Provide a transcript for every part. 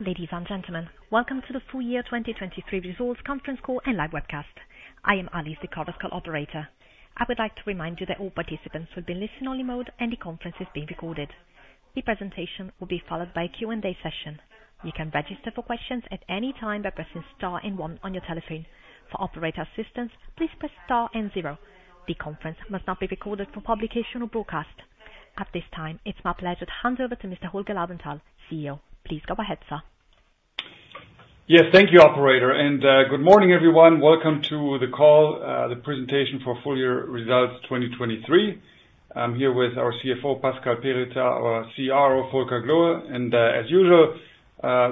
Ladies and gentlemen, welcome to the full year 2023 results conference call and live webcast. I am Alice, the conference call operator. I would like to remind you that all participants will be in listen-only mode, and the conference is being recorded. The presentation will be followed by a Q&A session. You can register for questions at any time by pressing star and one on your telephone. For operator assistance, please press star and zero. The conference must not be recorded for publication or broadcast. At this time, it's my pleasure to hand over to Mr. Holger Laubenthal, CEO. Please go ahead, sir. Yes, thank you, operator, and, good morning, everyone. Welcome to the call, the presentation for full year results 2023. I'm here with our CFO, Pascal Perritaz, our CRO, Volker Gloe, and, as usual,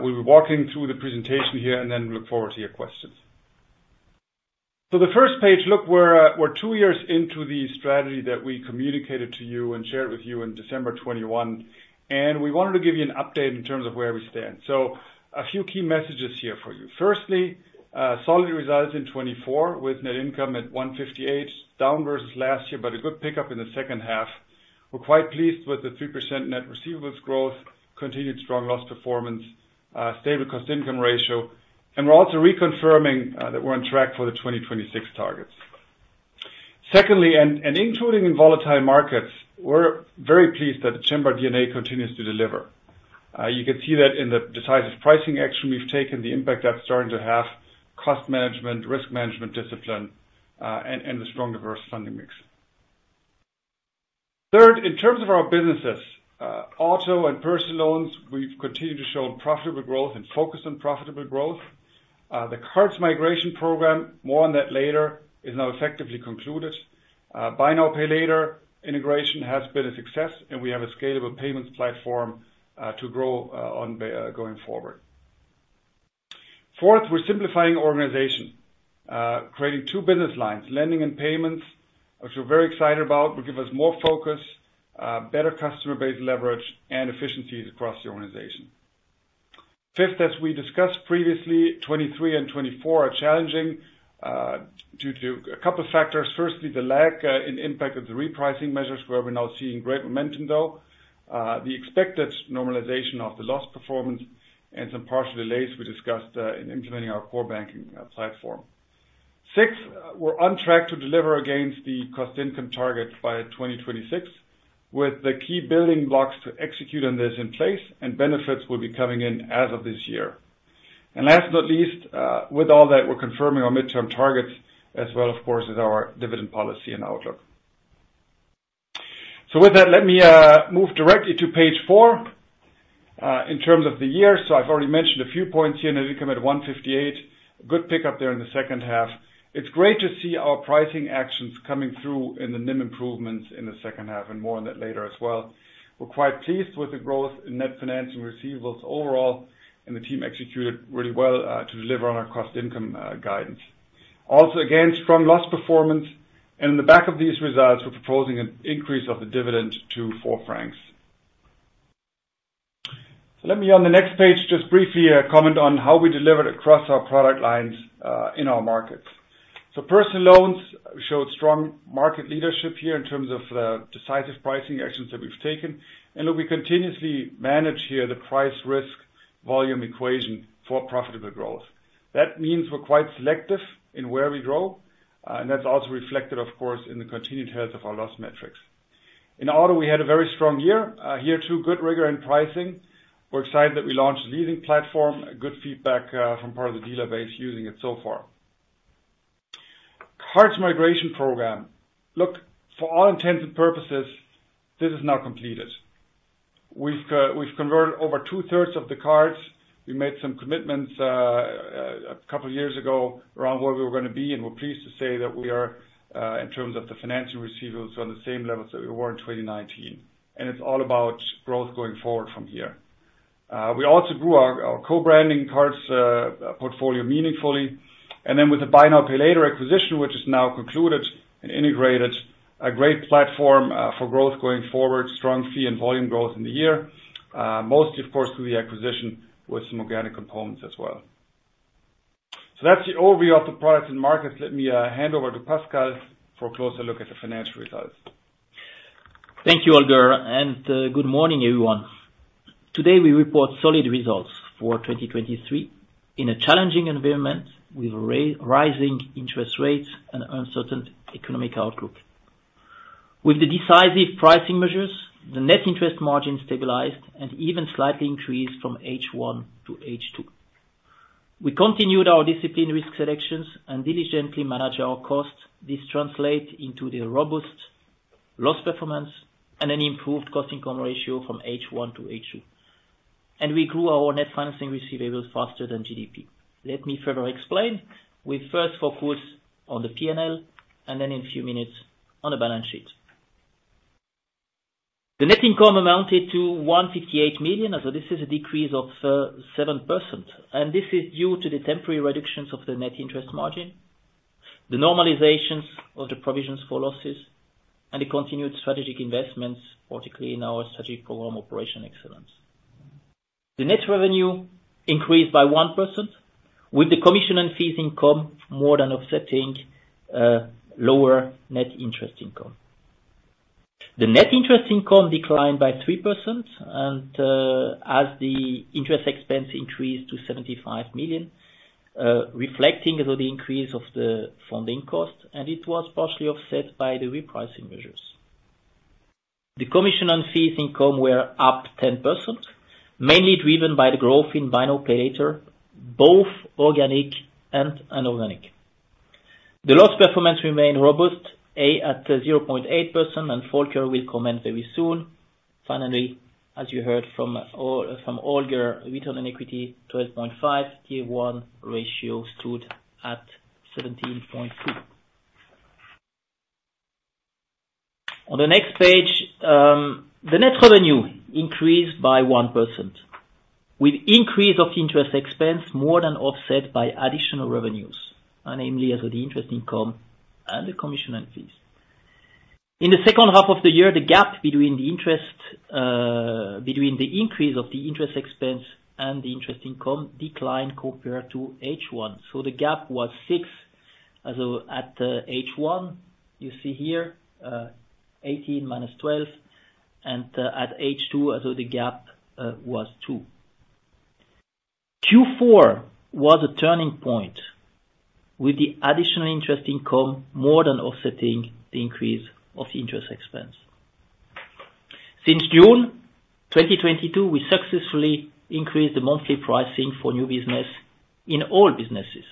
we'll be walking through the presentation here, and then look forward to your questions. So the first page, look, we're, we're two years into the strategy that we communicated to you and shared with you in December 2021, and we wanted to give you an update in terms of where we stand. So a few key messages here for you. Firstly, solid results in 2024, with net income at 158, down versus last year, but a good pickup in the second half. We're quite pleased with the 3% net receivables growth, continued strong loss performance, stable cost-income ratio, and we're also reconfirming that we're on track for the 2026 targets. Secondly, and including in volatile markets, we're very pleased that the Cembra DNA continues to deliver. You can see that in the decisive pricing action we've taken, the impact that's starting to have, cost management, risk management discipline, and the strong, diverse funding mix. Third, in terms of our businesses, auto and personal loans, we've continued to show profitable growth and focus on profitable growth. The cards migration program, more on that later, is now effectively concluded. Buy Now, Pay Later integration has been a success, and we have a scalable payments platform to grow on going forward. Fourth, we're simplifying organization. Creating two business lines, lending and payments, which we're very excited about, will give us more focus, better customer base leverage, and efficiencies across the organization. Fifth, as we discussed previously, 2023 and 2024 are challenging due to a couple factors. Firstly, the lag in impact of the repricing measures, where we're now seeing great momentum, though. The expected normalization of the loss performance and some partial delays we discussed in implementing our core banking platform. Sixth, we're on track to deliver against the cost-income target by 2026, with the key building blocks to execute on this in place, and benefits will be coming in as of this year. And last but not least, with all that, we're confirming our midterm targets as well, of course, as our dividend policy and outlook. So with that, let me, move directly to page 4. In terms of the year, so I've already mentioned a few points here. Net income at 158 million. Good pickup there in the second half. It's great to see our pricing actions coming through in the NIM improvements in the second half, and more on that later as well. We're quite pleased with the growth in net financing receivables overall, and the team executed really well, to deliver on our cost-income guidance. Also, again, strong loss performance, and in the back of these results, we're proposing an increase of the dividend to 4 francs. So let me, on the next page, just briefly, comment on how we delivered across our product lines, in our markets. So personal loans showed strong market leadership here in terms of decisive pricing actions that we've taken, and look, we continuously manage here the price, risk, volume equation for profitable growth. That means we're quite selective in where we grow, and that's also reflected, of course, in the continued health of our loss metrics. In auto, we had a very strong year. Here, too, good rigor and pricing. We're excited that we launched the leasing platform. Good feedback from part of the dealer base using it so far. Cards migration program. Look, for all intents and purposes, this is now completed. We've converted over two-thirds of the cards. We made some commitments, a couple of years ago around where we were gonna be, and we're pleased to say that we are, in terms of the financial receivables, on the same levels that we were in 2019. It's all about growth going forward from here. We also grew our co-branding cards portfolio meaningfully, and then with the Buy Now, Pay Later acquisition, which is now concluded and integrated, a great platform for growth going forward, strong fee and volume growth in the year. Mostly, of course, through the acquisition with some organic components as well. That's the overview of the products and markets. Let me hand over to Pascal for a closer look at the financial results. Thank you, Holger, and good morning, everyone. Today, we report solid results for 2023 in a challenging environment with rising interest rates and uncertain economic outlook. With the decisive pricing measures, the net interest margin stabilized and even slightly increased from H1 to H2. We continued our disciplined risk selections and diligently managed our costs. This translate into the robust loss performance and an improved cost-income ratio from H1 to H2, and we grew our net financing receivables faster than GDP. Let me further explain. We first focus on the P&L, and then in a few minutes, on the balance sheet. The net income amounted to 158 million, so this is a decrease of 7%, and this is due to the temporary reductions of the net interest margin, the normalizations of the provisions for losses, and the continued strategic investments, particularly in our strategic program, Operational Excellence. The net revenue increased by 1%, with the commission and fees income more than offsetting lower net interest income. The net interest income declined by 3%, and, as the interest expense increased to 75 million, reflecting the increase of the funding cost, and it was partially offset by the repricing measures. The commission on fees income were up 10%, mainly driven by the growth in Buy Now, Pay Later, both organic and inorganic. The loss performance remained robust at 0.8%, and Volker will comment very soon. Finally, as you heard from Holger, return on equity 12.5, Tier 1 ratio stood at 17.2. On the next page, the net revenue increased by 1%, with increase of interest expense more than offset by additional revenues, namely as with the interest income and the commission and fees. In the second half of the year, the gap between the interest, between the increase of the interest expense and the interest income declined compared to H1. So the gap was 6, as at H1, you see here, 18 - 12, and, at H2, as so the gap was 2. Q4 was a turning point, with the additional interest income more than offsetting the increase of interest expense. Since June 2022, we successfully increased the monthly pricing for new business in all businesses.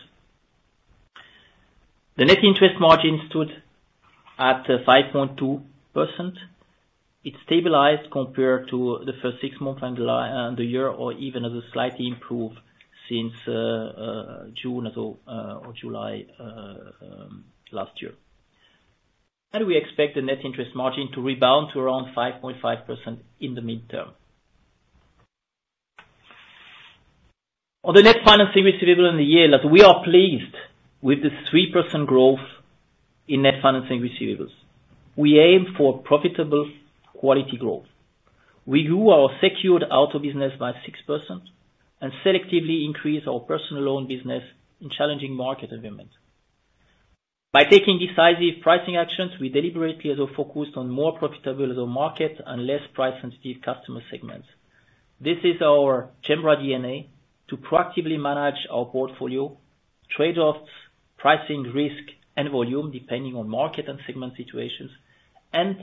The net interest margin stood at 5.2%. It stabilized compared to the first six months and the year, or even slightly improved since June or July last year. We expect the net interest margin to rebound to around 5.5% in the midterm. On the net financing receivables in the year, we are pleased with the 3% growth in net financing receivables. We aim for profitable quality growth. We grew our secured auto business by 6% and selectively increased our personal loan business in challenging market environment. By taking decisive pricing actions, we deliberately focused on more profitable areas of the market and less price-sensitive customer segments. This is our Cembra DNA, to proactively manage our portfolio, trade-offs, pricing, risk, and volume, depending on market and segment situations, and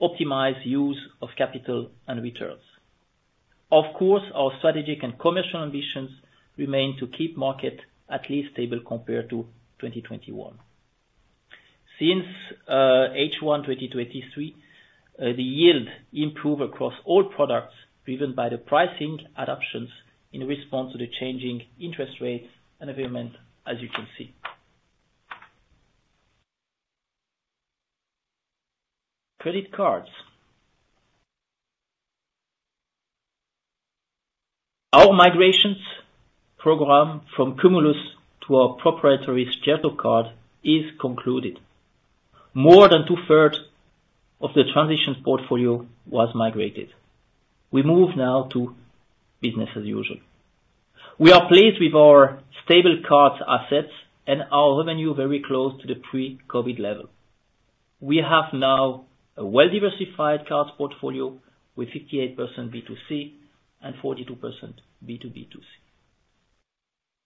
optimize use of capital and returns. Of course, our strategic and commercial ambitions remain to keep market at least stable compared to 2021. Since H1 2023, the yield improve across all products, driven by the pricing adoptions in response to the changing interest rates and environment, as you can see. Credit cards. Our migrations program from Cumulus to our proprietary Certo! card is concluded. More than two-thirds of the transition portfolio was migrated. We move now to business as usual. We are pleased with our stable cards assets and our revenue very close to the pre-COVID level. We have now a well-diversified cards portfolio, with 58% B2C and 42% B2B2C.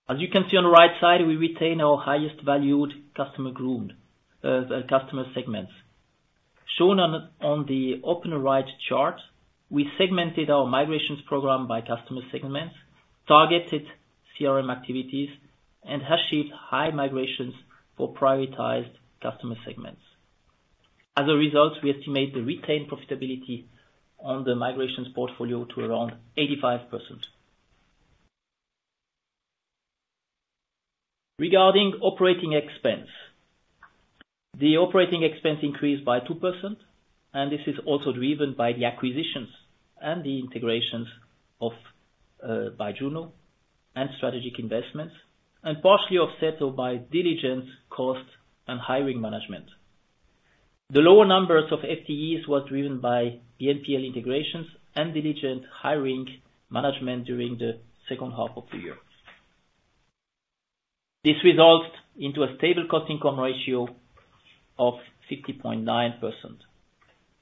As you can see on the right side, we retain our highest valued customer group, the customer segments. Shown on the open right chart, we segmented our migrations program by customer segments, targeted CRM activities, and achieved high migrations for prioritized customer segments. As a result, we estimate the retained profitability on the migrations portfolio to around 85%. Regarding operating expense, the operating expense increased by 2%, and this is also driven by the acquisitions and the integrations of Byjuno and strategic investments, and partially offset by diligence costs and hiring management. The lower numbers of FTEs was driven by the BNPL integrations and diligent hiring management during the second half of the year. This results into a stable cost-income ratio of 60.9%.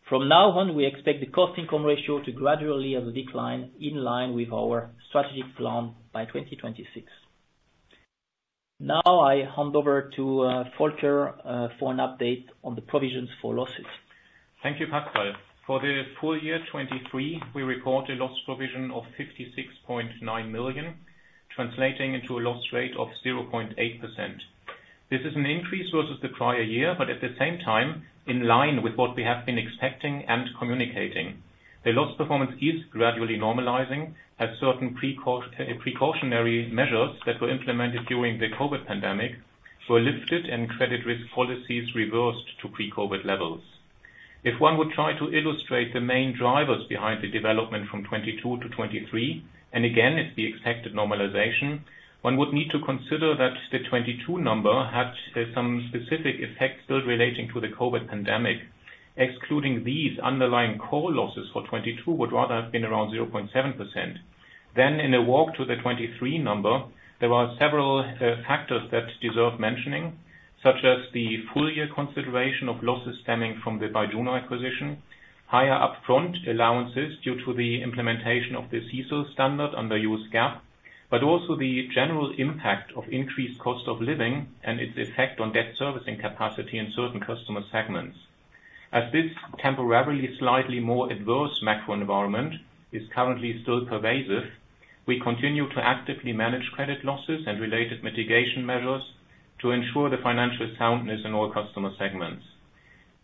From now on, we expect the Cost-Income Ratio to gradually as a decline in line with our strategic plan by 2026. Now, I hand over to Volker for an update on the provisions for losses. Thank you, Pascal. For the full year 2023, we report a loss provision of 56.9 million, translating into a loss rate of 0.8%. This is an increase versus the prior year, but at the same time, in line with what we have been expecting and communicating. The loss performance is gradually normalizing, as certain precautionary measures that were implemented during the COVID pandemic were lifted and credit risk policies reversed to pre-COVID levels. If one would try to illustrate the main drivers behind the development from 2022 to 2023, and again, it's the expected normalization, one would need to consider that the 2022 number had some specific effects still relating to the COVID pandemic. Excluding these, underlying core losses for 2022 would rather have been around 0.7%. Then in the walk to the 2023 number, there were several factors that deserve mentioning, such as the full year consideration of losses stemming from the Byjuno acquisition, higher upfront allowances due to the implementation of the CECL standard under US GAAP, but also the general impact of increased cost of living and its effect on debt servicing capacity in certain customer segments. As this temporarily, slightly more adverse macro environment is currently still pervasive, we continue to actively manage credit losses and related mitigation measures to ensure the financial soundness in all customer segments.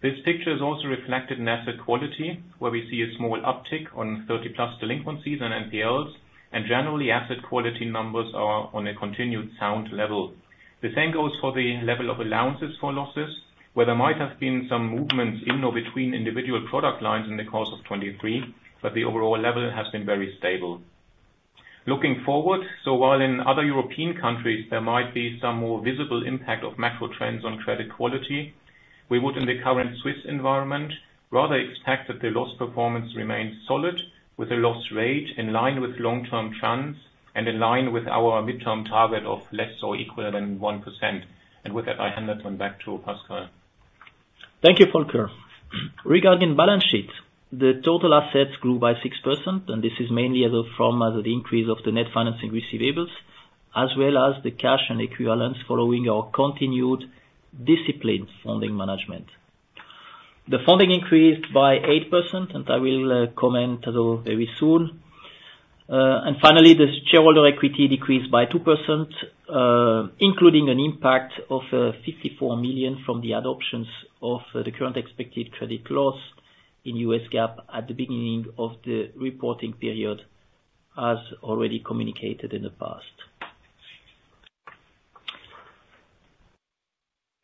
This picture is also reflected in asset quality, where we see a small uptick on 30+ delinquencies and BNPLs, and generally, asset quality numbers are on a continued sound level. The same goes for the level of allowances for losses, where there might have been some movements in or between individual product lines in the course of 2023, but the overall level has been very stable. Looking forward, so while in other European countries, there might be some more visible impact of macro trends on credit quality, we would, in the current Swiss environment, rather expect that the loss performance remains solid, with a loss rate in line with long-term trends and in line with our midterm target of less or equal than 1%. With that, I hand it on back to Pascal. Thank you, Volker. Regarding balance sheet, the total assets grew by 6%, and this is mainly from the increase of the net financing receivables, as well as the cash and equivalents, following our continued disciplined funding management. The funding increased by 8%, and I will comment though very soon. And finally, the shareholder equity decreased by 2%, including an impact of 54 million from the adoption of the current expected credit loss in US GAAP at the beginning of the reporting period, as already communicated in the past.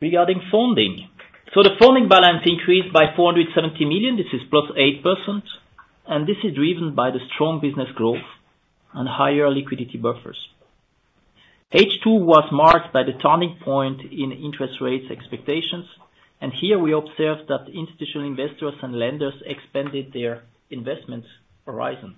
Regarding funding. So the funding balance increased by 470 million, this is +8%, and this is driven by the strong business growth and higher liquidity buffers. H2 was marked by the turning point in interest rates expectations, and here we observed that institutional investors and lenders expanded their investment horizon.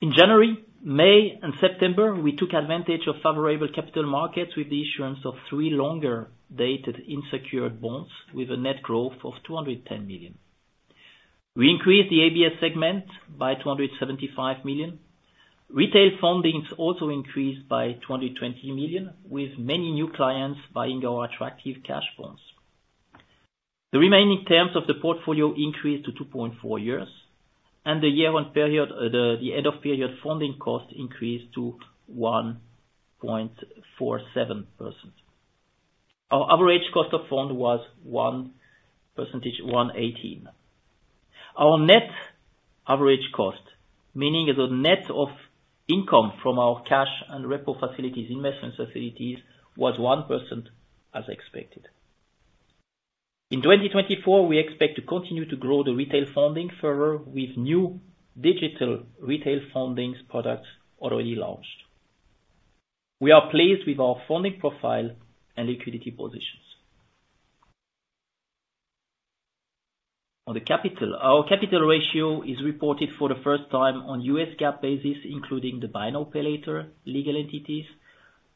In January, May, and September, we took advantage of favorable capital markets with the issuance of three longer-dated unsecured bonds with a net growth of 210 million. We increased the ABS segment by 275 million. Retail fundings also increased by 220 million, with many new clients buying our attractive cash flows. The remaining terms of the portfolio increased to 2.4 years, and the year-on-period end-of-period funding cost increased to 1.47%. Our average cost of fund was 1.18%. Our net average cost, meaning the net of income from our cash and repo facilities, investment facilities, was 1% as expected. In 2024, we expect to continue to grow the retail funding further with new digital retail fundings products already launched. We are pleased with our funding profile and liquidity positions. On the capital, our capital ratio is reported for the first time on US GAAP basis, including the Buy Now, Pay Later operator legal entities.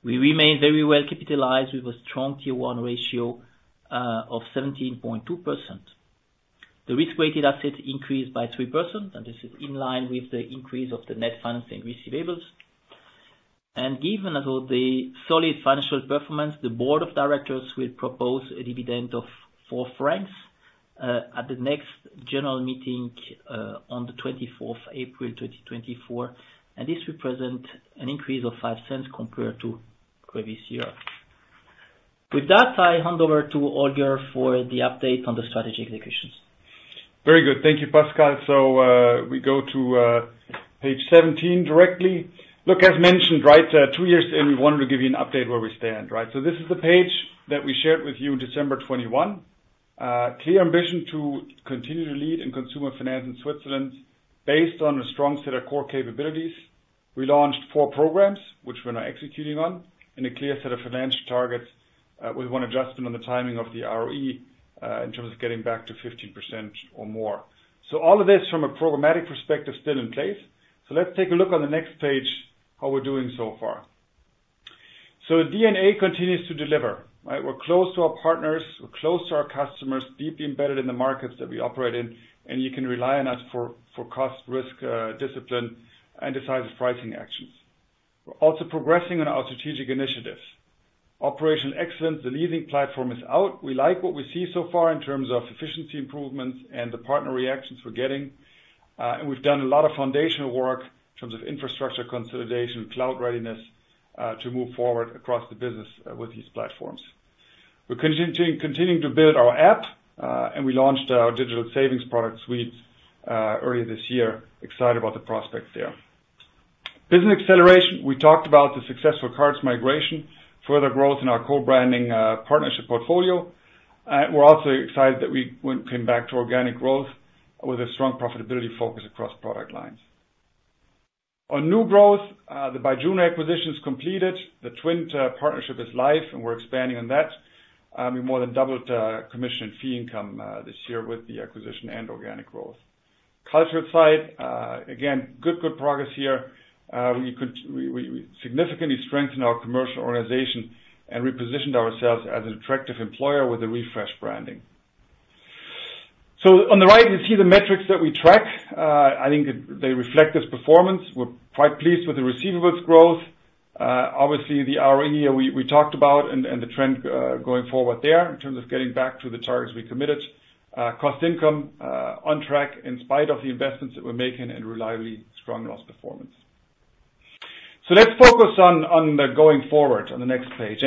We remain very well capitalized with a strong Tier 1 ratio of 17.2%. The risk-weighted assets increased by 3%, and this is in line with the increase of the net financing receivables. And given all the solid financial performance, the board of directors will propose a dividend of 4 francs at the next general meeting on the 24th April 2024, and this will present an increase of 0.05 compared to previous year. With that, I hand over to Holger for the update on the strategy executions. Very good. Thank you, Pascal. So, we go to page 17 directly. Look, as mentioned, right, two years in, we wanted to give you an update where we stand, right? So this is the page that we shared with you in December 2021. Clear ambition to continue to lead in consumer finance in Switzerland, based on a strong set of core capabilities. We launched four programs, which we're now executing on, and a clear set of financial targets, with one adjustment on the timing of the ROE, in terms of getting back to 15% or more. So all of this, from a programmatic perspective, still in place. So let's take a look on the next page, how we're doing so far. So DNA continues to deliver, right? We're close to our partners, we're close to our customers, deeply embedded in the markets that we operate in, and you can rely on us for cost, risk, discipline, and decisive pricing actions. We're also progressing on our strategic initiatives. Operational Excellence, the Lending Platform is out. We like what we see so far in terms of efficiency improvements and the partner reactions we're getting. And we've done a lot of foundational work in terms of infrastructure consolidation, cloud readiness, to move forward across the business with these platforms. We're continuing to build our app, and we launched our digital savings product suite earlier this year. Excited about the prospects there. Business Acceleration, we talked about the successful cards migration, further growth in our co-branding partnership portfolio. We're also excited that we came back to organic growth with a strong profitability focus across product lines. On new growth, the Byjuno acquisitions completed, the TWINT partnership is live, and we're expanding on that. We more than doubled commission fee income this year with the acquisition and organic growth. Cultural side, again, good, good progress here. We significantly strengthened our commercial organization and repositioned ourselves as an attractive employer with a refreshed branding. So on the right, you see the metrics that we track. I think they reflect this performance. We're quite pleased with the receivables growth. Obviously, the ROE, we talked about and the trend going forward there in terms of getting back to the targets we committed. Cost income on track in spite of the investments that we're making and reliably strong loss performance. So let's focus on the going forward on the next page.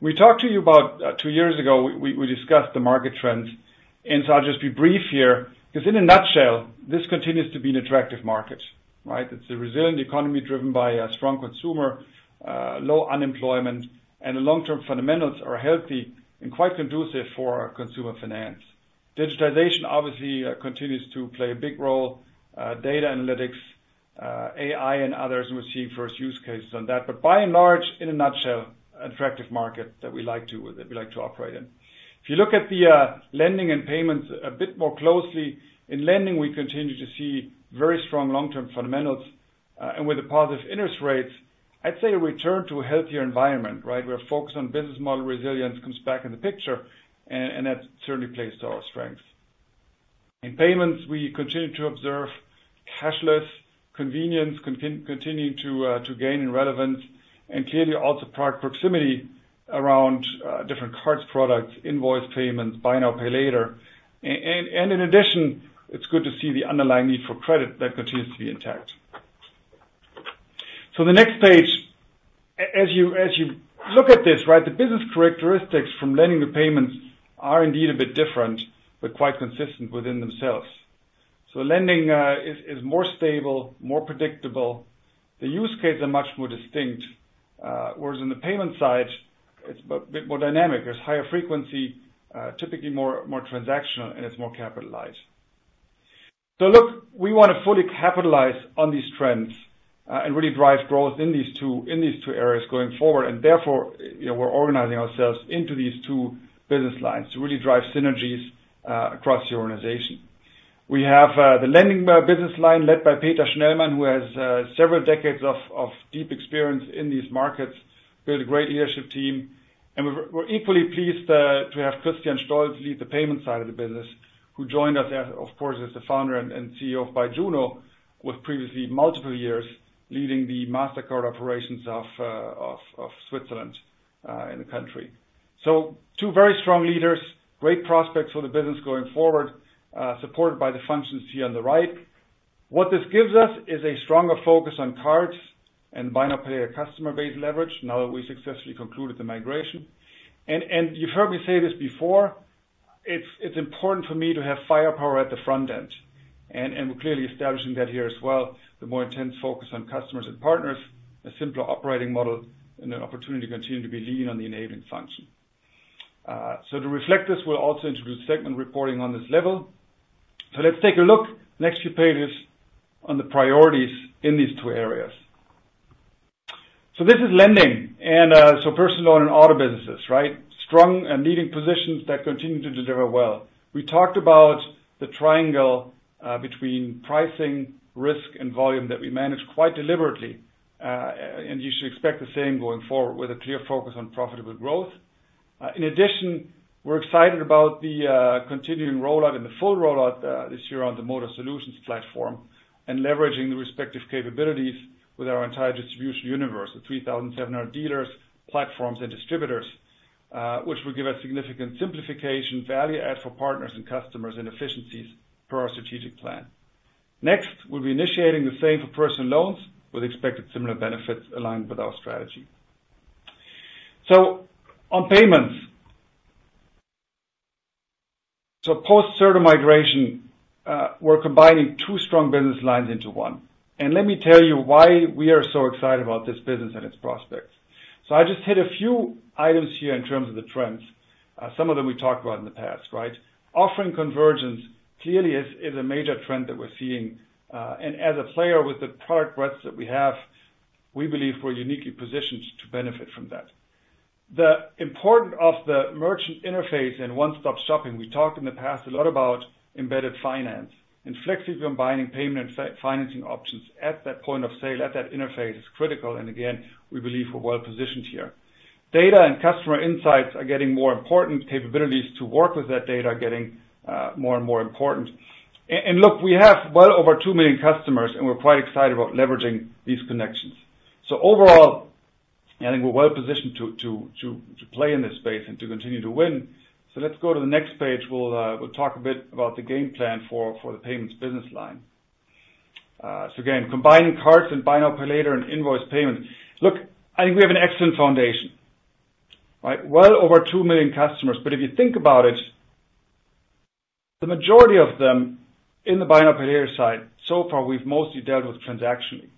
We talked to you about two years ago, we discussed the market trends, and so I'll just be brief here, 'cause in a nutshell, this continues to be an attractive market, right? It's a resilient economy driven by a strong consumer, low unemployment, and the long-term fundamentals are healthy and quite conducive for consumer finance. Digitization, obviously, continues to play a big role, data analytics, AI, and others, and we're seeing first use cases on that. But by and large, in a nutshell, attractive market that we like to operate in. If you look at the lending and payments a bit more closely, in lending, we continue to see very strong long-term fundamentals, and with the positive interest rates, I'd say a return to a healthier environment, right? Where a focus on business model resilience comes back in the picture, and that certainly plays to our strength. In payments, we continue to observe cashless convenience continuing to gain in relevance, and clearly also product proximity around different cards, products, invoice payments, Buy Now, Pay Later. And in addition, it's good to see the underlying need for credit that continues to be intact. So the next page, as you look at this, right, the business characteristics from lending to payments are indeed a bit different, but quite consistent within themselves. So lending is more stable, more predictable. The use cases are much more distinct, whereas in the payment side, it's a bit more dynamic. There's higher frequency, typically more transactional, and it's more capitalized. So look, we want to fully capitalize on these trends and really drive growth in these two areas going forward, and therefore, you know, we're organizing ourselves into these two business lines to really drive synergies across the organization. We have the lending business line led by Peter Schnellmann, who has several decades of deep experience in these markets, built a great leadership team. And we're equally pleased to have Christian Stolz to lead the payment side of the business, who joined us, as of course, as the founder and CEO of Byjuno, with previously multiple years leading the Mastercard operations of Switzerland in the country. So two very strong leaders, great prospects for the business going forward, supported by the functions here on the right. What this gives us is a stronger focus on cards and Buy Now, Pay Later customer base leverage, now that we successfully concluded the migration. And, and you've heard me say this before, it's, it's important for me to have firepower at the front end, and, and we're clearly establishing that here as well, the more intense focus on customers and partners, a simpler operating model, and an opportunity to continue to be lean on the enabling function. So to reflect this, we'll also introduce segment reporting on this level. So let's take a look next few pages on the priorities in these two areas. So this is lending, and, so personal loan and auto businesses, right? Strong and leading positions that continue to deliver well. We talked about the triangle between pricing, risk, and volume that we manage quite deliberately, and you should expect the same going forward with a clear focus on profitable growth. In addition, we're excited about the continuing rollout and the full rollout this year on the Motor Solutions platform and leveraging the respective capabilities with our entire distribution universe, the 3,700 dealers, platforms, and distributors, which will give us significant simplification, value add for partners and customers, and efficiencies per our strategic plan. Next, we'll be initiating the same for personal loans with expected similar benefits aligned with our strategy. So on payments, so post-Certo! migration, we're combining two strong business lines into one. And let me tell you why we are so excited about this business and its prospects. So I just hit a few items here in terms of the trends. Some of them we talked about in the past, right? Offering convergence clearly is a major trend that we're seeing, and as a player with the product breadth that we have, we believe we're uniquely positioned to benefit from that. The importance of the merchant interface and one-stop shopping, we talked in the past a lot about embedded finance, and flexibly combining payment and financing options at that point of sale, at that interface, is critical, and again, we believe we're well positioned here. Data and customer insights are getting more important. Capabilities to work with that data are getting more and more important. And look, we have well over 2 million customers, and we're quite excited about leveraging these connections. So overall, I think we're well positioned to play in this space and to continue to win. So let's go to the next page. We'll talk a bit about the game plan for the payments business line. So again, combining cards and Buy Now, Pay Later and invoice payments. Look, I think we have an excellent foundation, right? Well over 2 million customers, but if you think about it, the majority of them in the Buy Now, Pay Later side, so far, we've mostly dealt with transaction,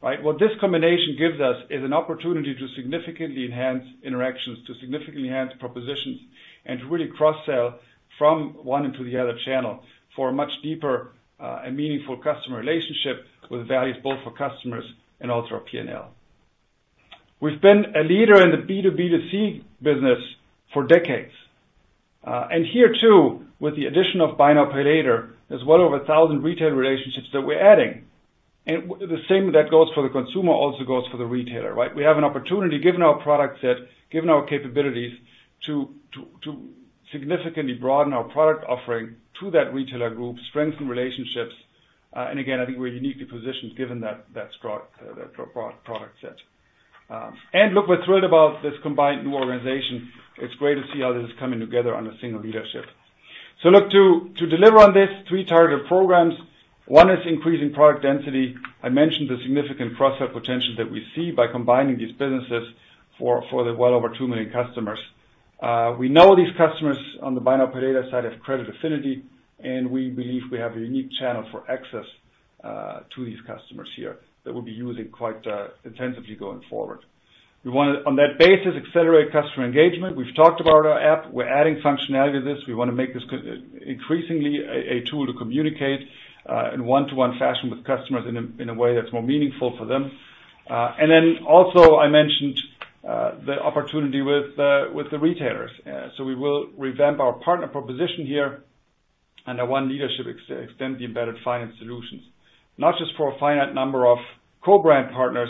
right? What this combination gives us is an opportunity to significantly enhance interactions, to significantly enhance propositions, and to really cross-sell from one into the other channel for a much deeper and meaningful customer relationship with values both for customers and also our P&L. We've been a leader in the B2B2C business for decades. And here, too, with the addition of Buy Now, Pay Later, there's well over 1,000 retail relationships that we're adding. And the same that goes for the consumer also goes for the retailer, right? We have an opportunity, given our product set, given our capabilities, to significantly broaden our product offering to that retailer group, strengthen relationships, and again, I think we're uniquely positioned, given that strong, that product set. And look, we're thrilled about this combined new organization. It's great to see how this is coming together under a single leadership. So look, to deliver on this, three targeted programs. One is increasing product density. I mentioned the significant cross-sell potential that we see by combining these businesses for the well over 2 million customers. We know these customers on the Buy Now, Pay Later side of credit affinity, and we believe we have a unique channel for access to these customers here that we'll be using quite intensively going forward. We wanna, on that basis, accelerate customer engagement. We've talked about our app. We're adding functionality to this. We wanna make this increasingly a tool to communicate in one-to-one fashion with customers in a way that's more meaningful for them. And then also, I mentioned the opportunity with the retailers. So we will revamp our partner proposition here, under one leadership, extend the embedded finance solutions, not just for a finite number of co-brand partners,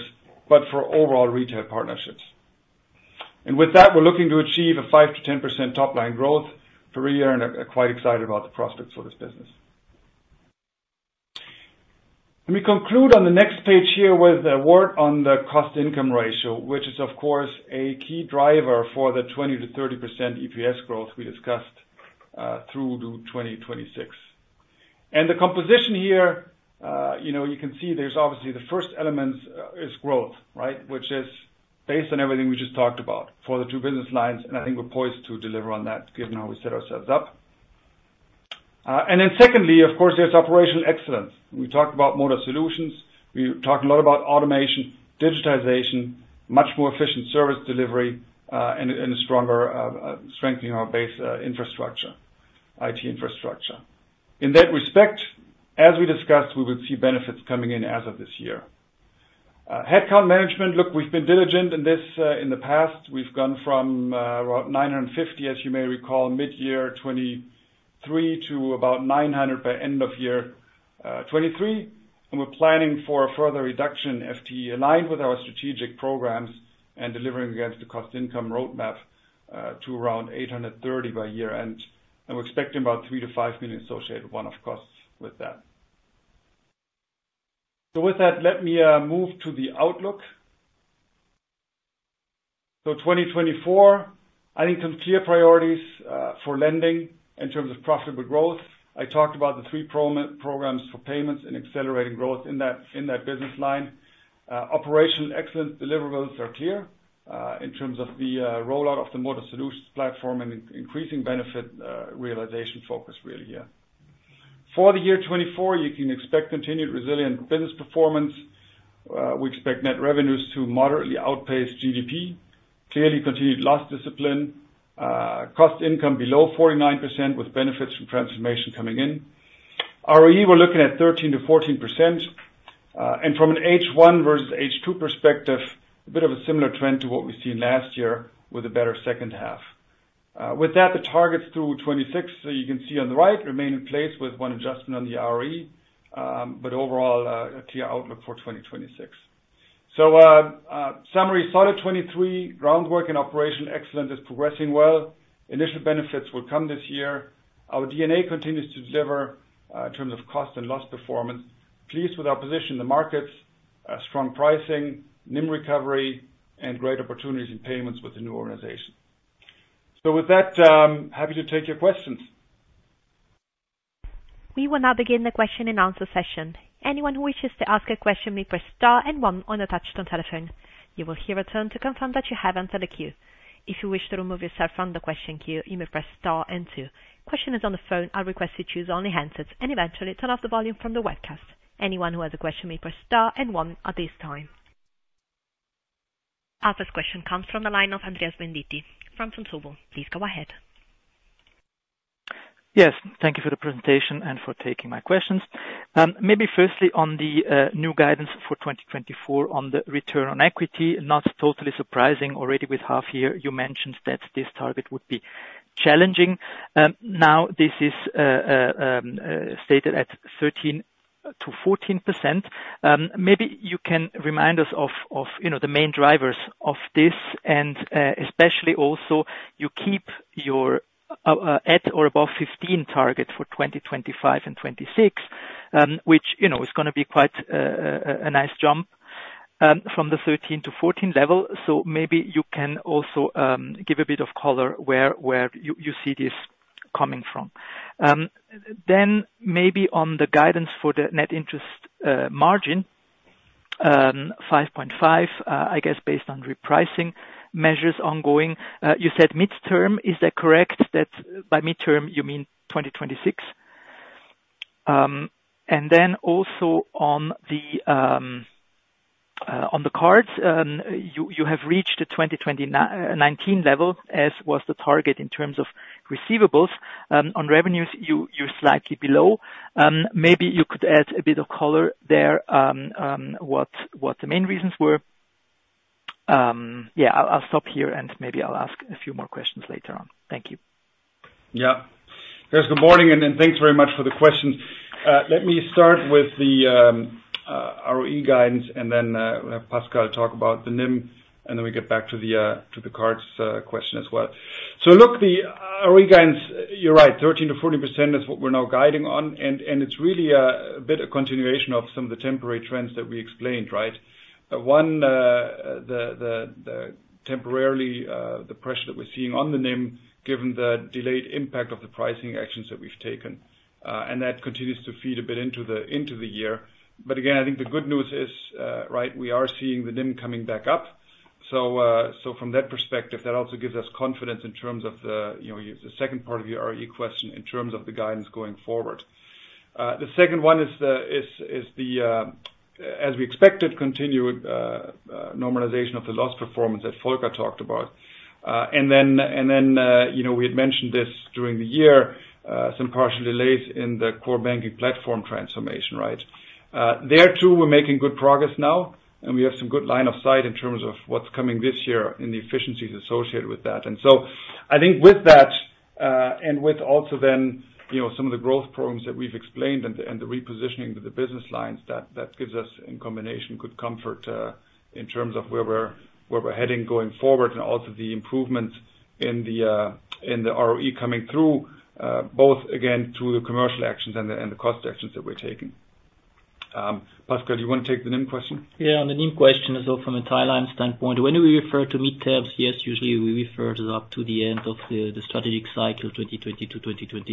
but for overall retail partnerships. With that, we're looking to achieve a 5%-10% top line growth for a year, and I'm quite excited about the prospects for this business. Let me conclude on the next page here with a word on the cost-income ratio, which is, of course, a key driver for the 20%-30% EPS growth we discussed through to 2026. And the composition here, you know, you can see there's obviously the first element is growth, right? Which is based on everything we just talked about for the two business lines, and I think we're poised to deliver on that, given how we set ourselves up. And then secondly, of course, there's operational excellence. We talked about Motor Solutions, we talked a lot about automation, digitization, much more efficient service delivery, and a stronger strengthening our base, infrastructure, IT infrastructure. In that respect, as we discussed, we will see benefits coming in as of this year. Headcount management, look, we've been diligent in this, in the past. We've gone from about 950, as you may recall, mid-year 2023 to about 900 by end of year 2023. And we're planning for a further reduction in FTE, aligned with our strategic programs and delivering against the cost income roadmap, to around 830 by year-end. And we're expecting about 3-5 million associated one-off costs with that. So with that, let me move to the outlook. So 2024, I think some clear priorities for lending in terms of profitable growth. I talked about the three programs for payments and accelerating growth in that business line. Operational Excellence deliverables are clear in terms of the rollout of the Motor Solutions platform and increasing benefit realization focus, really here. For the year 2024, you can expect continued resilient business performance. We expect net revenues to moderately outpace GDP. Clearly continued loss discipline, cost-income ratio below 49%, with benefits from transformation coming in. ROE, we're looking at 13%-14%, and from an H1 versus H2 perspective, a bit of a similar trend to what we've seen last year, with a better second half. With that, the targets through 2026, so you can see on the right, remain in place with one adjustment on the ROE, but overall, a clear outlook for 2026. So, summary, solid 2023, groundwork and operational excellence is progressing well. Initial benefits will come this year. Our DNA continues to deliver in terms of cost and loss performance. Pleased with our position in the markets, strong pricing, NIM recovery, and great opportunities in payments with the new organization. So with that, happy to take your questions. We will now begin the question-and-answer session. Anyone who wishes to ask a question may press star and one on the touchtone telephone. You will hear a tone to confirm that you have entered the queue. If you wish to remove yourself from the question queue, you may press star and two. Questioners on the phone are requested to use only handsets and eventually turn off the volume from the webcast. Anyone who has a question may press star and one at this time. Our first question comes from the line of Andreas Venditti from Vontobel. Please go ahead. Yes, thank you for the presentation and for taking my questions. Maybe firstly, on the new guidance for 2024 on the return on equity, not totally surprising. Already with half year, you mentioned that this target would be challenging. Now this is stated at 13%-14%. Maybe you can remind us of you know the main drivers of this, and especially also you keep your at or above 15 target for 2025 and 2026, which you know is gonna be quite a nice jump from the 13-14 level. So maybe you can also give a bit of color where you see this coming from. Then maybe on the guidance for the net interest margin, 5.5, I guess, based on repricing measures ongoing. You said midterm, is that correct? That by midterm, you mean 2026? And then also on the cards, you have reached the 2019 level, as was the target in terms of receivables. On revenues, you're slightly below. Maybe you could add a bit of color there, what the main reasons were. Yeah, I'll stop here, and maybe I'll ask a few more questions later on. Thank you. Yeah. First, good morning, and thanks very much for the question. Let me start with the ROE guidance, and then we'll have Pascal talk about the NIM, and then we get back to the cards question as well. So look, the ROE guidance, you're right, 13%-14% is what we're now guiding on, and it's really a bit of continuation of some of the temporary trends that we explained, right? One, the temporarily the pressure that we're seeing on the NIM, given the delayed impact of the pricing actions that we've taken, and that continues to feed a bit into the year. But again, I think the good news is, right, we are seeing the NIM coming back up. So, from that perspective, that also gives us confidence in terms of the, you know, the second part of your ROE question, in terms of the guidance going forward. The second one is the, as we expected, continued normalization of the loss performance that Volker talked about. And then, you know, we had mentioned this during the year, some partial delays in the core banking platform transformation, right? There, too, we're making good progress now, and we have some good line of sight in terms of what's coming this year and the efficiencies associated with that. And so I think with that, and with also then, you know, some of the growth problems that we've explained and the, and the repositioning of the business lines, that, that gives us, in combination, good comfort, in terms of where we're, where we're heading going forward, and also the improvements in the, in the ROE coming through. Both again, through the commercial actions and the, and the cost actions that we're taking. Pascal, do you want to take the NIM question? Yeah, on the NIM question as well, from a timeline standpoint, when we refer to mid-terms, yes, usually we refer to up to the end of the strategic cycle, 2020-2026.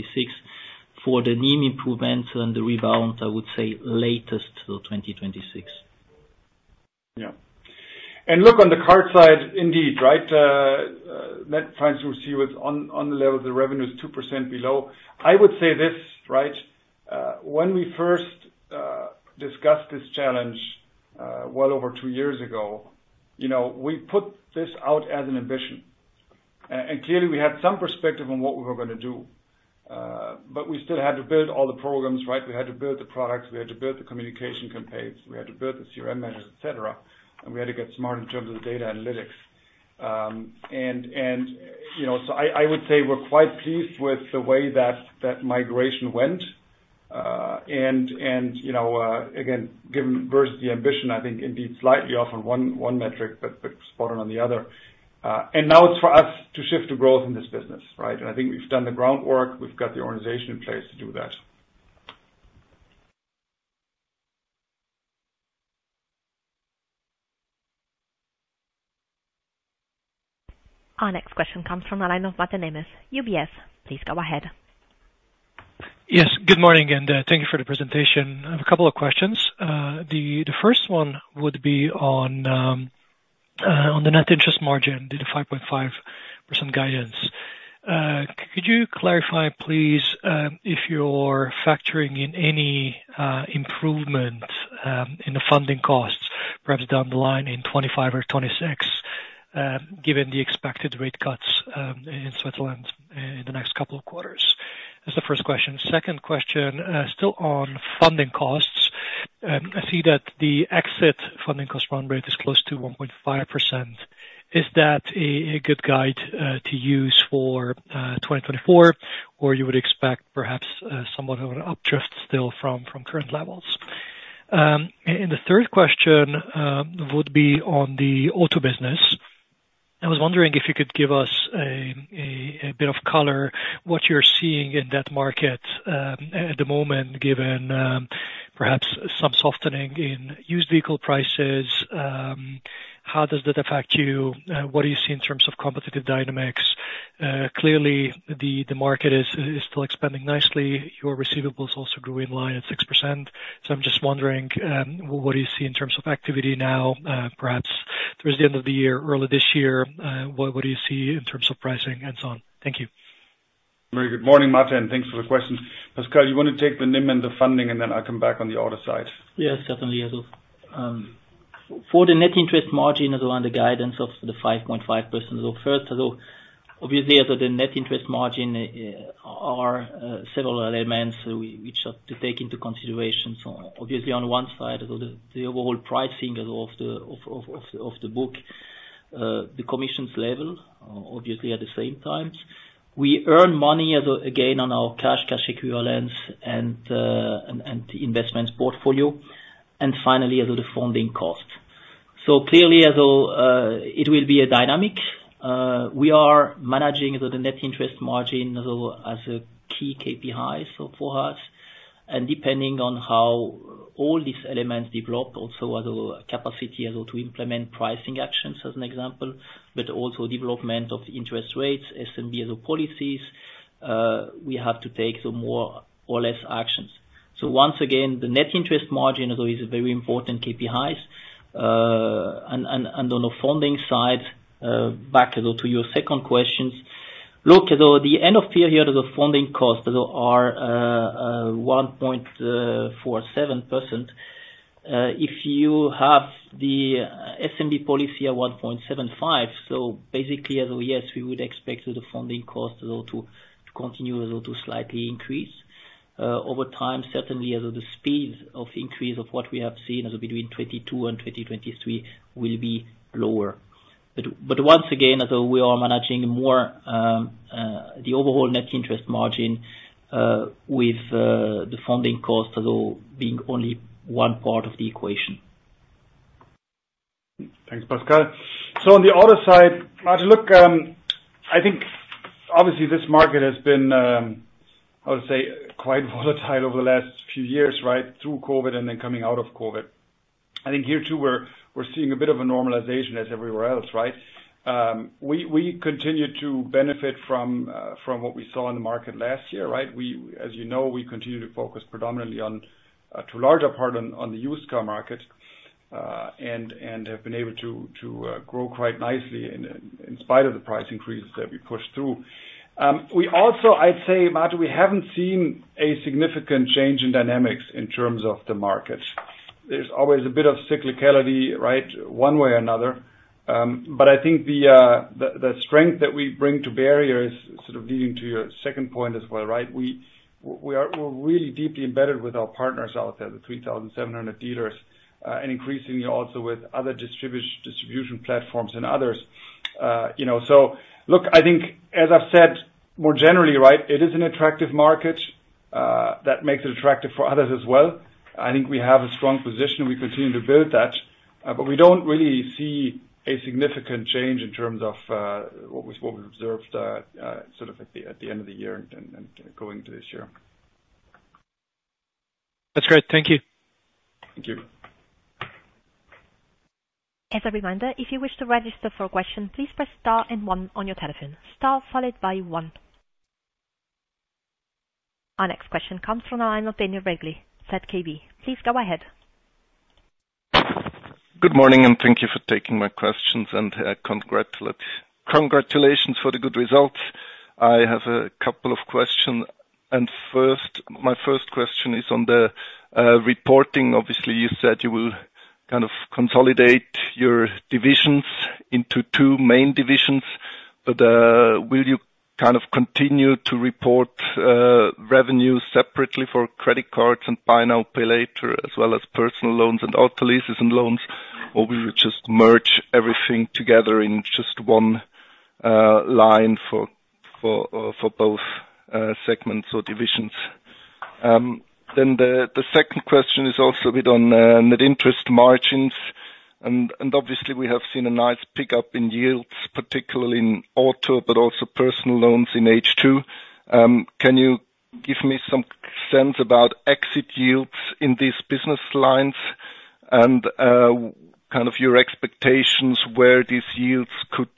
For the NIM improvements and the rebound, I would say latest to 2026. Yeah. Look, on the card side, indeed, right, net financing receivables on the level of the revenue is 2% below. I would say this, right, when we first discussed this challenge, well over two years ago, you know, we put this out as an ambition. Clearly, we had some perspective on what we were gonna do, but we still had to build all the programs, right? We had to build the products, we had to build the communication campaigns, we had to build the CRM managers, et cetera, and we had to get smart in terms of the data analytics. You know, so I would say we're quite pleased with the way that migration went. You know, again, given versus the ambition, I think indeed slightly off on one metric, but spot on on the other. Now it's for us to shift to growth in this business, right? And I think we've done the groundwork, we've got the organization in place to do that. Our next question comes from the line of Mate Nemes, UBS. Please go ahead. Yes, good morning, and thank you for the presentation. I have a couple of questions. The first one would be on the net interest margin, the 5.5% guidance. Could you clarify, please, if you're factoring in any improvement in the funding costs, perhaps down the line in 25 or 26, given the expected rate cuts in Switzerland in the next couple of quarters? That's the first question. Second question, still on funding costs. I see that the exit funding cost run rate is close to 1.5%. Is that a good guide to use for 2024, or you would expect perhaps somewhat of an updrift still from current levels? The third question would be on the auto business. I was wondering if you could give us a bit of color, what you're seeing in that market at the moment, given perhaps some softening in used vehicle prices. How does that affect you? What do you see in terms of competitive dynamics? Clearly, the market is still expanding nicely. Your receivables also grew in line at 6%. So I'm just wondering, what do you see in terms of activity now, perhaps towards the end of the year, early this year? What do you see in terms of pricing and so on? Thank you. Very good morning, Mate, and thanks for the question. Pascal, you want to take the NIM and the funding, and then I'll come back on the order side? Yes, definitely, yeah. For the net interest margin, as on the guidance of the 5.5%, so first, so obviously, as the net interest margin are several elements which are to take into consideration. So obviously, on one side, the overall pricing of the book, the commissions level, obviously, at the same time. We earn money as again, on our cash, cash equivalents and investments portfolio, and finally, as the funding cost. So clearly, it will be a dynamic, we are managing the net interest margin as a key KPI, so for us, and depending on how all these elements develop, also as a capacity to implement pricing actions, as an example, but also development of interest rates, SNB policies, we have to take some more or less actions. So once again, the net interest margin is a very important KPI, and on the funding side, back to your second question. Look, at the end of the year, the funding costs are 1.47%. If you have the SNB policy at 1.75, so basically, as of yes, we would expect the funding cost as well to continue to slightly increase. Over time, certainly as of the speed of increase of what we have seen as between 22 and 2023 will be lower. But, but once again, as we are managing more, the overall net interest margin, with the funding cost as well, being only one part of the equation. Thanks, Pascal. So on the other side, I look, I think obviously this market has been, I would say, quite volatile over the last few years, right? Through COVID and then coming out of COVID. I think here, too, we're seeing a bit of a normalization as everywhere else, right? We continue to benefit from what we saw in the market last year, right? We, as you know, we continue to focus predominantly on, to a larger part, on the used car market, and have been able to grow quite nicely in spite of the price increases that we pushed through. We also, I'd say, Marta, we haven't seen a significant change in dynamics in terms of the market. There's always a bit of cyclicality, right, one way or another. But I think the strength that we bring to Cembra is sort of leading to your second point as well, right? We're really deeply embedded with our partners out there, the 3,700 dealers, and increasingly also with other distribution platforms and others. You know, so look, I think as I've said, more generally, right, it is an attractive market that makes it attractive for others as well. I think we have a strong position, and we continue to build that, but we don't really see a significant change in terms of what we observed sort of at the end of the year and going into this year. That's great. Thank you. Thank you. As a reminder, if you wish to register for a question, please press star and one on your telephone. Star followed by one. Our next question comes from the line of Daniel Regli ZKB. Please go ahead. Good morning, and thank you for taking my questions, and congratulations for the good results. I have a couple of questions. First, my first question is on the reporting. Obviously, you said you will kind of consolidate your divisions into two main divisions, but will you kind of continue to report revenue separately for credit cards and Buy Now, Pay Later, as well as personal loans and auto leases and loans, or will you just merge everything together in just one line for both segments or divisions? Then the second question is also a bit on net interest margins, and obviously we have seen a nice pickup in yields, particularly in auto, but also personal loans in H2. Can you give me some sense about exit yields in these business lines and kind of your expectations where these yields could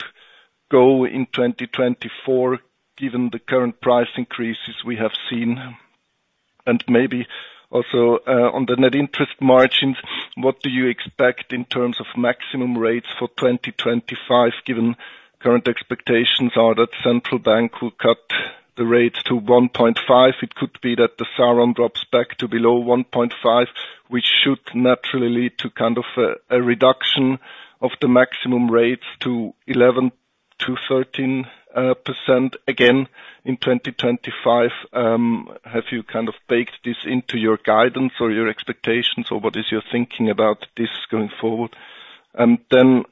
go in 2024, given the current price increases we have seen? And maybe also on the net interest margins, what do you expect in terms of maximum rates for 2025, given current expectations are that central bank will cut the rates to 1.5. It could be that the SARON drops back to below 1.5, which should naturally lead to kind of a reduction of the maximum rates to 11-13% again in 2025. Have you kind of baked this into your guidance or your expectations, or what is your thinking about this going forward? And then,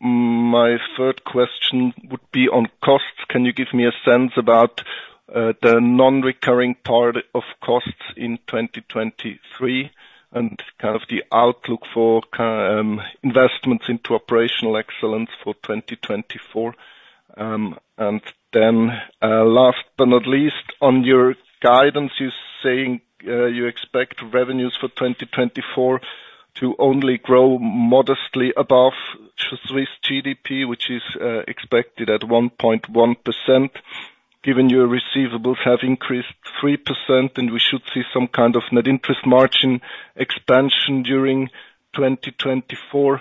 my third question would be on costs. Can you give me a sense about the non-recurring part of costs in 2023 and kind of the outlook for investments into operational excellence for 2024? And then, last but not least, on your guidance, you're saying you expect revenues for 2024 to only grow modestly above Swiss GDP, which is expected at 1.1%, given your receivables have increased 3%, and we should see some kind of net interest margin expansion during 2024.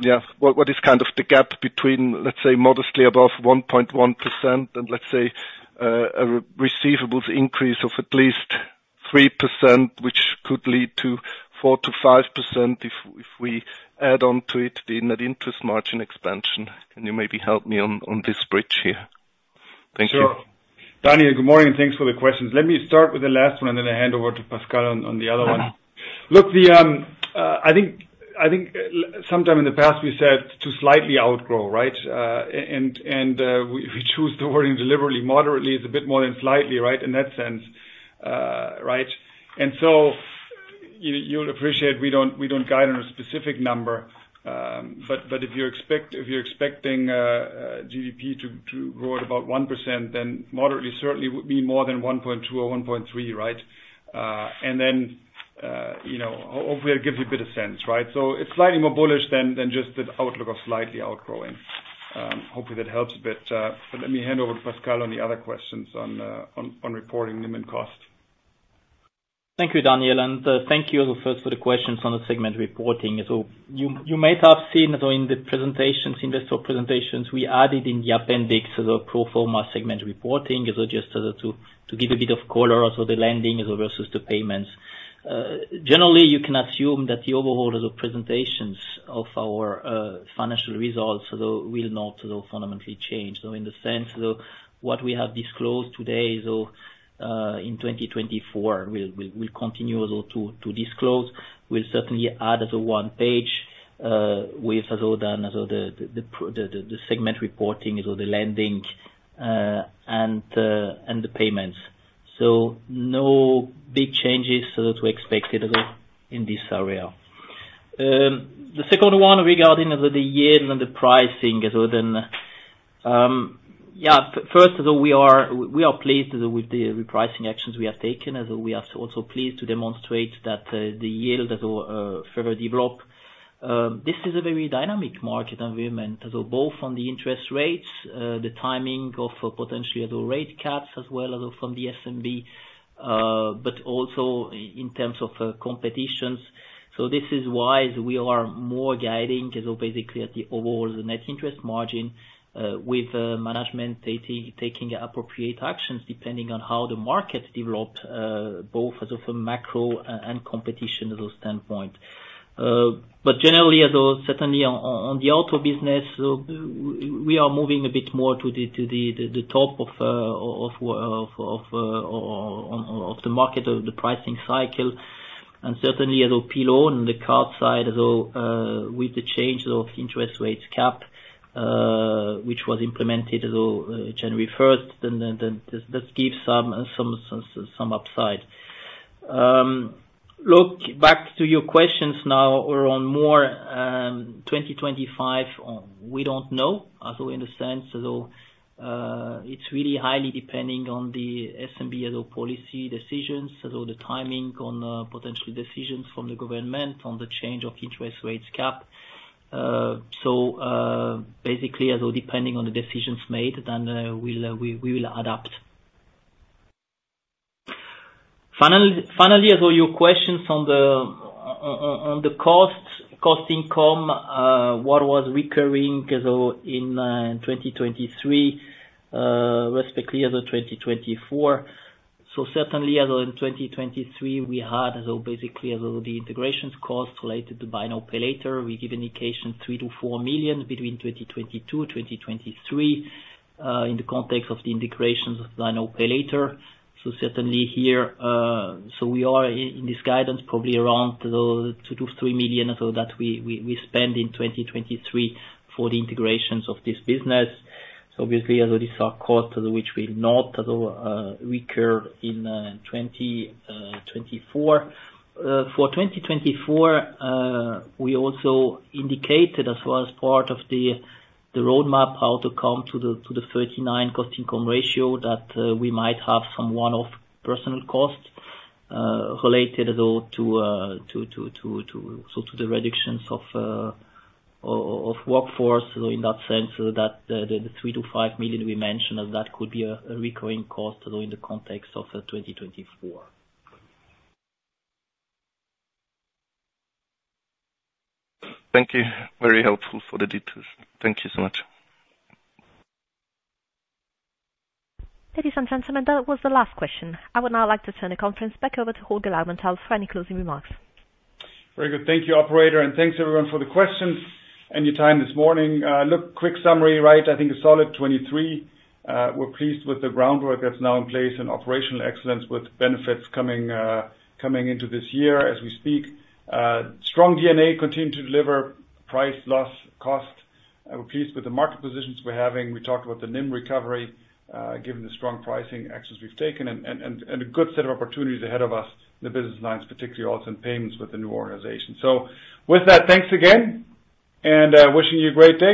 Yeah, what is kind of the gap between, let's say, modestly above 1.1% and let's say a receivables increase of at least 3%, which could lead to 4%-5% if we add on to it the net interest margin expansion? Can you maybe help me on this bridge here? Thank you. Sure. Daniel, good morning, and thanks for the question. Let me start with the last one, and then I hand over to Pascal on the other one. Look, I think sometime in the past we said to slightly outgrow, right? And we choose the wording deliberately. Moderately, it's a bit more than slightly, right? In that sense, right. And so you'll appreciate we don't guide on a specific number. But if you're expecting GDP to grow at about 1%, then moderately certainly would be more than 1.2% or 1.3%, right? And then, you know, hopefully it gives you a bit of sense, right? So it's slightly more bullish than just the outlook of slightly outgrowing. Hopefully, that helps a bit, but let me hand over to Pascal on the other questions on reporting them in cost. Thank you, Daniel, and thank you first for the questions on the segment reporting. So you might have seen, so in the presentations, investor presentations, we added in the appendix the pro forma segment reporting, so just to give a bit of color of the lending as versus the payments. Generally, you can assume that the overall of the presentations of our financial results will not fundamentally change. So in the sense, so what we have disclosed today, so in 2024, we'll continue as well to disclose. We'll certainly add as a one page with as all the pro- the segment reporting, so the lending and the payments. So no big changes so that we expected in this area. The second one regarding the yield and the pricing as well, then, first, we are pleased with the repricing actions we have taken, as we are also pleased to demonstrate that the yield as well further develop. This is a very dynamic market environment, so both on the interest rates, the timing of potentially the rate caps as well as from the SMB, but also in terms of competitions. So this is why we are more guiding, so basically at the overall net interest margin, with management taking appropriate actions depending on how the market develops, both as a macro and competition standpoint. But generally, especially on the auto business, we are moving a bit more to the top of the market, of the pricing cycle, and certainly as in personal loan, the card side, with the change of interest rates cap, which was implemented January first, then this gives some upside. Look back to your questions now around more 2025, we don't know. So in a sense, it's really highly depending on the SNB as well policy decisions. So the timing on potential decisions from the government, on the change of interest rates cap. Basically, depending on the decisions made, then we will adapt. Finally, as all your questions on the cost income what was recurring, so in 2023, respectively as of 2024. So certainly, as in 2023, we had, so basically, the integrations costs related to Buy Now, Pay Later. We gave indication 3-4 million between 2022-2023 in the context of the integrations of Buy Now, Pay Later. So certainly here, so we are in this guidance, probably around 2-3 million, so that we spend in 2023 for the integrations of this business. So obviously, as these are costs, which will not recur in 2024. For 2024, we also indicated as well as part of the roadmap, how to come to the 39 cost-income ratio, that we might have some one-off personnel costs related to the reductions of workforce. So in that sense, the 3 million-5 million we mentioned, that could be a recurring cost in the context of 2024. Thank you. Very helpful for the details. Thank you so much. Ladies and gentlemen, that was the last question. I would now like to turn the conference back over to Holger Laubenthal for any closing remarks. Very good. Thank you, operator, and thanks everyone for the questions and your time this morning. Look, quick summary, right? I think a solid 23. We're pleased with the groundwork that's now in place and operational excellence with benefits coming into this year as we speak. Strong DNA continue to deliver price, loss, cost. We're pleased with the market positions we're having. We talked about the NIM recovery, given the strong pricing actions we've taken and, and, and, and a good set of opportunities ahead of us in the business lines, particularly also in payments with the new organization. So with that, thanks again, and wishing you a great day.